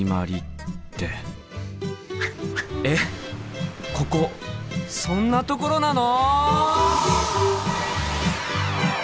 えっここそんなところなの！？